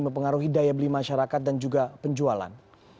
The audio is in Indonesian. mempengaruhi daya beli masyarakat dan juga penjualan